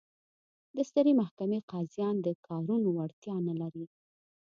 د سترې محکمې قاضیان د کارونو وړتیا نه لري.